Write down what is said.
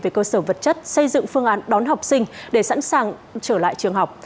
về cơ sở vật chất xây dựng phương án đón học sinh để sẵn sàng trở lại trường học